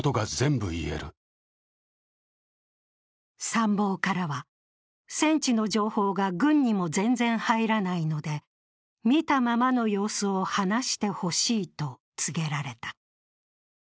参謀からは、戦地の情報が軍にも全然入らないので、見たままの様子を話してほしいと告げられた。